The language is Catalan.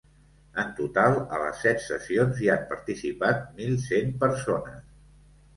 En total, a les set sessions hi han participat mil cent persones.